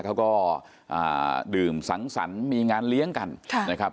เขาก็ดื่มสังสรรค์มีงานเลี้ยงกันนะครับ